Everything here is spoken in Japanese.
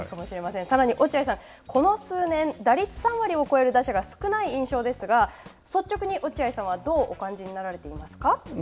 さらに落合さん、この数年、打率３割を超える打者が少ない印象ですが、率直に落合さんはどうお感じになられてますか。